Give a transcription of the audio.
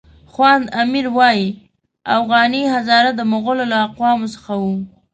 خواند امیر وایي اوغاني هزاره د مغولو له اقوامو څخه وو.